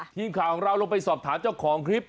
ทีมข่าวของเราลงไปสอบถามเจ้าของคลิป